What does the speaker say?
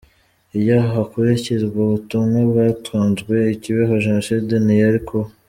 Iyo hakurikizwa ubutumwa bwatanzwe i Kibeho Jenoside ntiyari kuba